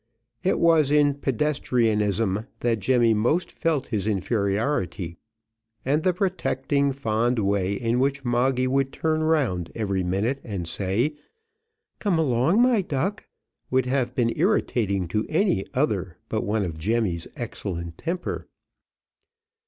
It was in pedestrianism that Jemmy most felt his inferiority, and the protecting, fond way in which Moggy would turn round every minute and say, "Come along, my duck," would have been irritating to any other but one of Jemmy's excellent temper.